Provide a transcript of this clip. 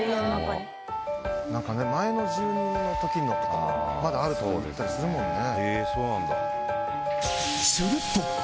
前の住人の時のとかまだあるって言ったりするもんね。